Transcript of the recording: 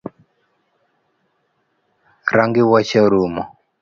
Rangi wuoche orumo